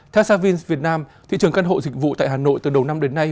theo savins việt nam thị trường căn hộ dịch vụ tại hà nội từ đầu năm đến nay